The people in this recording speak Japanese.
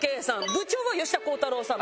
部長は吉田鋼太郎さん。